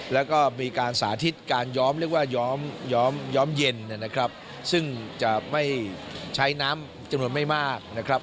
แล้วก็มีการสาธิตการย้อมเรียกว่าย้อมเย็นนะครับซึ่งจะไม่ใช้น้ำจำนวนไม่มากนะครับ